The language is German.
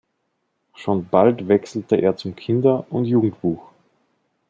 Schon bald wechselte er zum Kinder- und Jugendbuch.